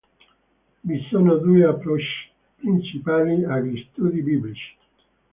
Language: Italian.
Vi sono due approcci principali agli studi biblici.